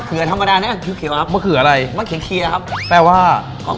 อืมรสเน่ะ